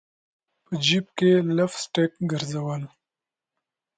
په جیب کي لپ سټک ګرزول